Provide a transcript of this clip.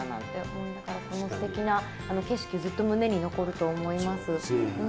とてもすてきな景色ずっと胸に残ると思います。